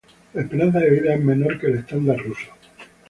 La esperanza de vida es menor que el estándar ruso.